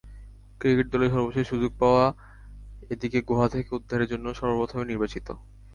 Cricket দলে সর্বশেষে সুযোগ পাওয়া এদিকে গুহা থেকে উদ্ধারের জন্য সর্বপ্রথমে নির্বাচিত।